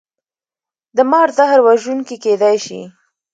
د مار زهر وژونکي کیدی شي